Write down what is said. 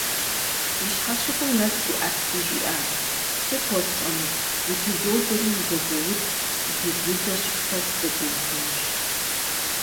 И щхьэщыгум нэс иӏэтри, жиӏащ: «Сыт уэсщӏэнур? Утызодзэри - узэгуоуд, утезмыдзэщи, сэ сызэгуэудынущ».